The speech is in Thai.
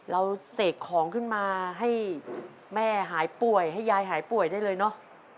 เสกของขึ้นมาให้แม่หายป่วยให้ยายหายป่วยได้เลยเนอะ